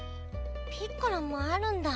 ピッコラもあるんだ。